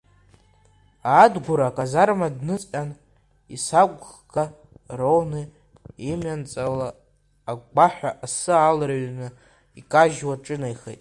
Адгәыр аказарма дныҵҟьан, исақәхга роуны имҩанҵауа, агәгәаҳәа асы алырҩрны икажьуа иҿынеихеит.